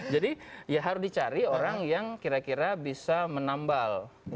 jadi ya harus dicari orang yang kira kira bisa menambal